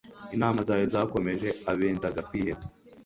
inama zawe zakomeje abendaga kwiheba